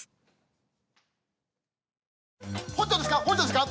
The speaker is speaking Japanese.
本庁ですか？